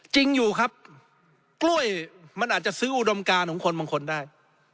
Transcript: จริงอยู่ครับกล้วยมันอาจจะซื้ออุดมการของคนบางคนได้